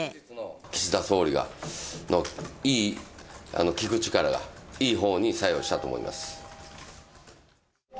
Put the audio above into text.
岸田総理のいい聞く力が、いいほうに作用したと思います。